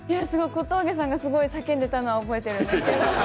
小峠さんがすごい叫んでたのは覚えてたんですけど。